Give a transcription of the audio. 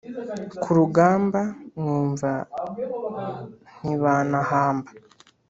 Ku rugamba mwumva ntibanahamba